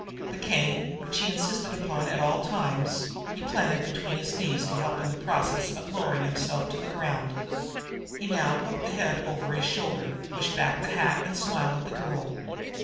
The cane, which he insisted upon at all times, he had planted between his knees to help in the process of lowering himself to the ground. Now he hooked the head over his shoulder, pushed back his hat and smiled at the girl.